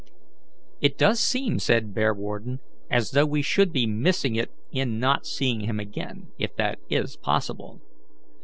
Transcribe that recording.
"It does seem," said Bearwarden, "as though we should be missing it in not seeing him again, if that is possible.